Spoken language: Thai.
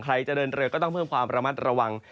ใครจะเดินเรือก็ต้องเพิ่มความระมัดระวัง